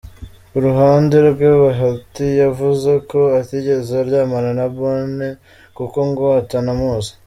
Ku ruhande rwe Bahati yavuze ko atigeze aryamana na Bonne kuko ngo atanamuzi.